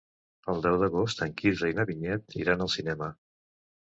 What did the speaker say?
El deu d'agost en Quirze i na Vinyet iran al cinema.